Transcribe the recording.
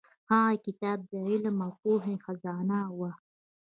هغه کتاب د علم او پوهې خزانه وه.